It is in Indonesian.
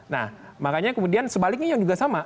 nah makanya kemudian sebaliknya yang juga sama